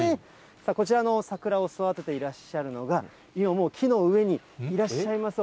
こちらの桜を育てていらっしゃるのが、今もう、木の上にいらっしゃいます。